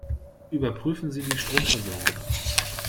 Überprüfen Sie die Stromversorgung.